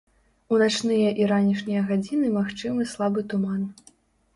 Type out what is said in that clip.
У начныя і ранішнія гадзіны магчымы слабы туман.